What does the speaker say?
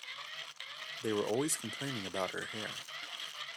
They were always complaining about her hair.